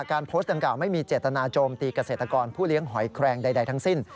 โพสต์ดังกล่าไม่มีเจตนาโจมตีเกษตรกรผู้เลี้ยงหอยแครงใดทั้งสิ้น